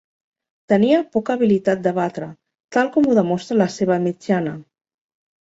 Tenia poca habilitat de batre, tal com ho demostra la seva mitjana.